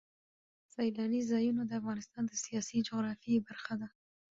سیلانی ځایونه د افغانستان د سیاسي جغرافیه برخه ده.